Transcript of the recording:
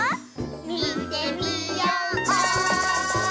みてみよう！